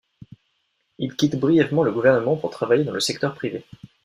Il quitte brièvement le gouvernement pour travailler dans le secteur privé.